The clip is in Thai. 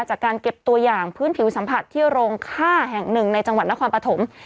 จากการเก็บตัวอย่างพื้นผิวสัมผัสที่โรงค่าแห่งหนึ่งในจังหวัดนครปฐม